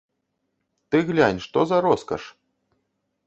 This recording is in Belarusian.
Ты глянь, што за роскаш.